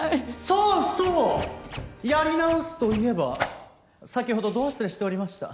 そうそうやり直すといえば先ほどど忘れしておりました